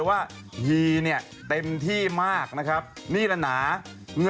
อันนี้ผมไม่รู้ผมไม่รู้